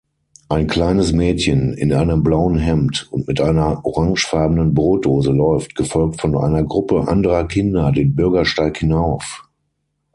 Ein kleines Mädchen in einem blauen Hemd und mit einer orangefarbenen Brotdose läuft, gefolgt von einer Gruppe anderer Kinder, den Bürgersteig hinauf.